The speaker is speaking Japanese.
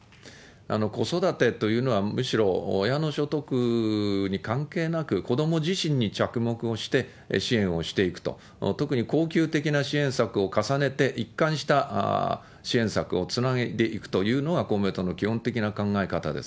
子育てというのは、むしろ親の所得に関係なく、子ども自身に着目をして支援をしていくと、特に恒久的な支援策を重ねて一貫した支援策をつないでいくというのが公明党の基本的な考え方です。